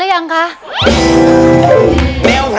เรียกประกันแล้วยังคะ